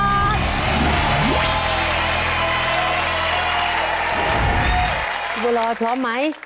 พี่โบรอยพร้อมไหม